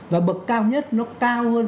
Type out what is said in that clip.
và bậc cao nhất nó cao hơn